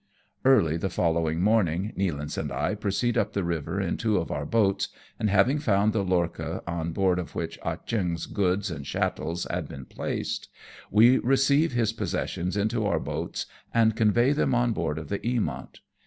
Early the following morning Nealance and I proceed up the river in two of our boats, and having found the lorcha on board of which Ah Cheong's goods and chattels had been placed, we receive his possessions into our boats and convey them on board of the Eamont.